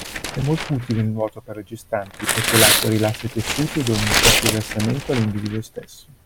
È molto utile il nuoto per gestanti, poichè l'acqua rilassa i tessuti e dona un certo rilassamente all'individuo stesso.